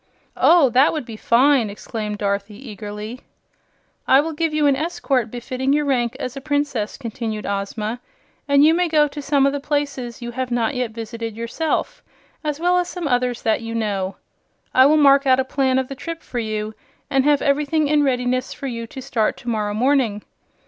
"Oh, that would be fine!" exclaimed Dorothy, eagerly. "I will give you an escort befitting your rank as a Princess," continued Ozma; "and you may go to some of the places you have not yet visited yourself, as well as some others that you know. I will mark out a plan of the trip for you and have everything in readiness for you to start to morrow morning.